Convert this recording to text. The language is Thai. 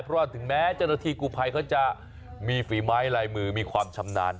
เพราะว่าถึงแม้เจ้าหน้าที่กูภัยเขาจะมีฝีไม้ลายมือมีความชำนาญ